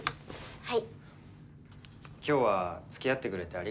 はい？